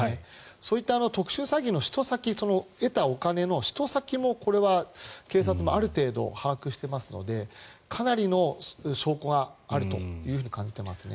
そういった特殊詐欺で得たお金の使途先もこれは警察もある程度、把握していますのでかなりの証拠があると感じていますね。